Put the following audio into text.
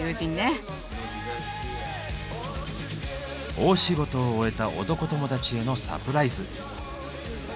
大仕事を終えた男友達へのサプライズ。